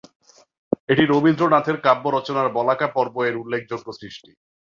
এটি রবীন্দ্রনাথের কাব্য রচনার "বলাকা পর্ব"-এর একটি উল্লেখযোগ্য সৃষ্টি।